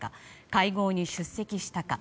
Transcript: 会合に出席したか。